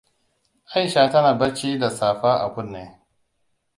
Aisha tana barci da safa a kunne.